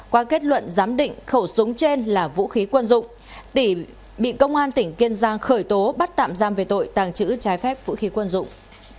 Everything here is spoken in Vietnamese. qua kết luận giám định khẩu súng trên là vũ khí quân dụng tỷ bị công an tỉnh kiên giang khởi tố bắt tạm giam về tội tàng trữ trái phép vũ khí quân dụng